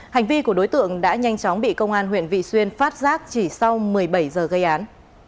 hành vi của đối tượng đã nhanh chóng bị công an huyện vị xuyên phát giác chỉ sau một mươi bảy giờ gây án